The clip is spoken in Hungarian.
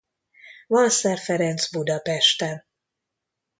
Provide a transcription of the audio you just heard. Walser Ferenc Budapesten.